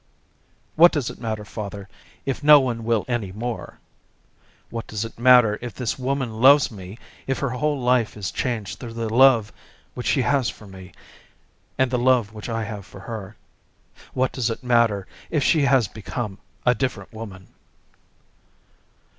"What does it matter, father, if no one will any more? What does it matter, if this woman loves me, if her whole life is changed through the love which she has for me and the love which I have for her? What does it matter, if she has become a different woman?"